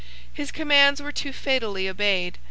His commands were too fatally obeyed.